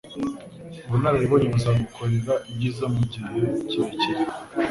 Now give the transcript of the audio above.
Ubunararibonye buzagukorera ibyiza mugihe kirekire.